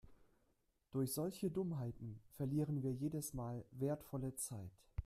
Durch solche Dummheiten verlieren wir jedes Mal wertvolle Zeit.